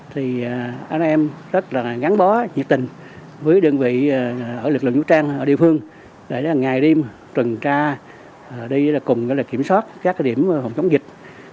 thì anh em rất là ngắn bó nhiệt tình với đơn vị ở lực lượng vũ trang ở địa phương để ngày đêm trừng tra đi cùng với kiểm soát các điểm phòng chống dịch